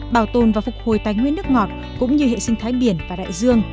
bảo tồn và phục hồi tài nguyên nước ngọt cũng như hệ sinh thái biển và đại dương